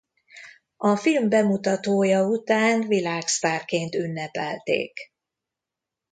A film bemutatója után világsztárként ünnepelték.